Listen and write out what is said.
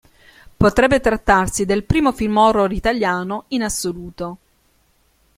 Potrebbe trattarsi del primo film horror italiano in assoluto.